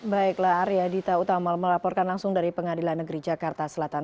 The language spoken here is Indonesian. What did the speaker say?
baiklah arya dita utama melaporkan langsung dari pengadilan negeri jakarta selatan